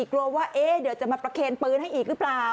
กลัวว่าเดี๋ยวจะมาประเคนปืนให้อีกหรือเปล่า